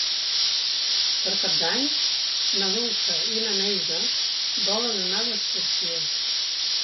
Per Cap d'Any na Dolça i na Neida volen anar d'excursió.